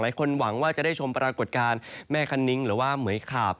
หวังว่าจะได้ชมปรากฏการณ์แม่คันนิ้งหรือว่าเหมือยขาบ